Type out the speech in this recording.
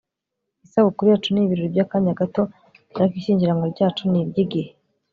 isabukuru yacu ni ibirori by'akanya gato, ariko ishyingiranwa ryacu ni iry'igihe